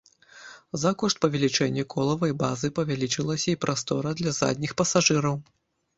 За кошт павелічэння колавай базы павялічылася і прастора для задніх пасажыраў.